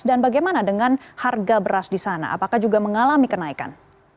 dan bagaimana dengan harga beras di sana apakah juga mengalami kenaikan